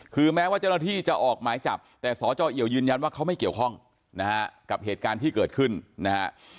คือแม้ว่าเจ้าหน้าที่จะออกหมายจับแต่สจเอียวยืนยันว่าเขาไม่เกี่ยวข้องนะฮะกับเหตุการณ์ที่เกิดขึ้นนะฮะ